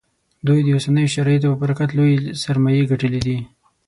دوی د اوسنیو شرایطو په برکت لویې سرمایې ګټلې دي